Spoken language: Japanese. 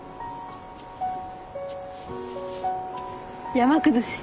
山崩し。